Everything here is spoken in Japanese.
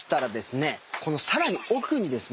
このさらに奥にですね